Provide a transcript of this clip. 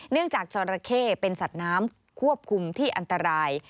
จากจอราเข้เป็นสัตว์น้ำควบคุมที่อันตราย